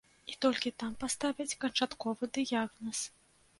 І толькі там паставяць канчатковы дыягназ.